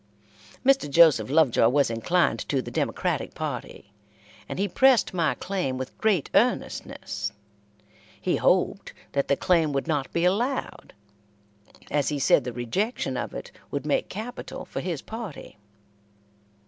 Mr. Joseph Lovejoy was inclined to the Democratic party, and he pressed my claim with great earnestness; he hoped that the claim would not be allowed, as he said the rejection of it would make capital for his party.